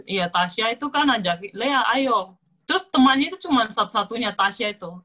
iya tasya itu kan ajak lea ayo terus temannya itu cuma satu satunya tasya itu